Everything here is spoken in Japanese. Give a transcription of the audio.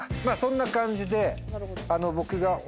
まあそんな感じで僕が。